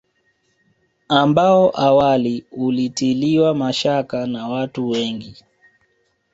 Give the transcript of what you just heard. Ambao awali ulitiliwa mashaka na watu wengi